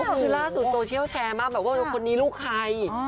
คือล่าสุดโซเชียลแชร์มากแบบว่าคนนี้ลูกใคร